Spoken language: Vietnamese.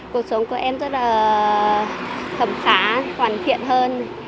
cuộc sống của em rất là thẩm phá hoàn thiện hơn